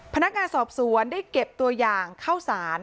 พนักงานสอบสวนได้เก็บตัวอย่างเข้าสาร